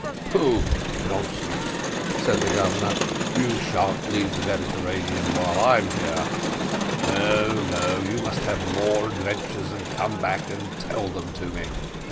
"Pooh, nonsense!" said the Governor, "you shan't leave the Mediterranean while I am here. No, no; you must have more adventures, and come back and tell them to me.